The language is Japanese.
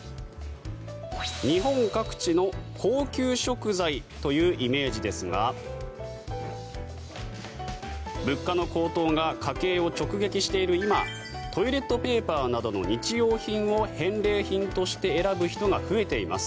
日本各地の高級食材というイメージですが物価の高騰が家計を直撃している今トイレットペーパーなどの日用品を返礼品として選ぶ人が増えています。